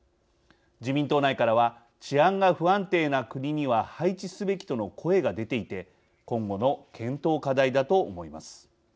自民党内からは治安が不安定な国には配置すべきとの声が出ていて今後の検討課題だと思います。